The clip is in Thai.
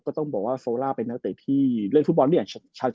ก็ต้องบอกว่าโทล่ะที่เล่นฟุตบอลเนี่ยชาดชลัด